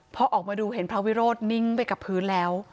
พอออกมาดูเห็นพระวิโรธนิ่งไปกับพื้นแล้ว